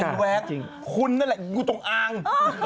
อ้าวมันเห็นในกล้อง